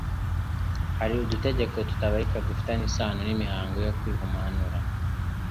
Hariho udutegeko tutabarika dufitanye isano n'imihango yo kwihumanura.